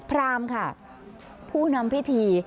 พรามค่ะผู้นำพิธี